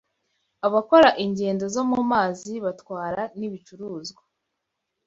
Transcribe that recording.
abakora ingendo zo mu mazi batwara n’ibicuruzwa.